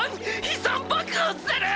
悲惨爆発する！